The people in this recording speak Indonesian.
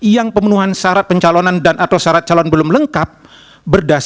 yang pemenuhan syarat pencalonan dan acara presiden pppb